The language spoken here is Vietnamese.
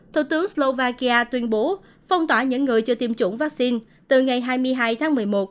thủ tướng slovakia tuyên bố phong tỏa những người chưa tiêm chủng vaccine từ ngày hai mươi hai tháng một mươi một